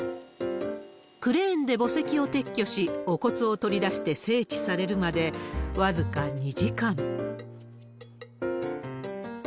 クレーンで墓石を撤去し、お骨を取り出して整地されるまで、僅か２時間。